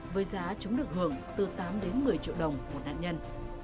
với giá chúng được hưởng từ tám đến một mươi triệu đồng một nạn nhân